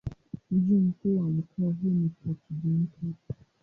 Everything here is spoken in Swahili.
Mji mkuu wa mkoa huu ni Port-Gentil.